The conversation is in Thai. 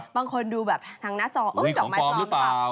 บางคนดูแบบทางหน้าจอดอกไม้ปลอมหรือเปล่า